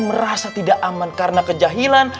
merasa tidak aman karena kejahilan